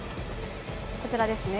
こちらですね。